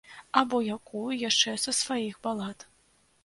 Або якую яшчэ са сваіх балад.